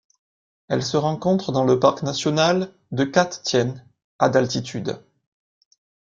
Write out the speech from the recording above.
Elle se rencontre dans le parc national de Cat Tien à d'altitude.